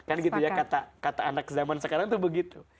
kan gitu ya kata anak zaman sekarang tuh begitu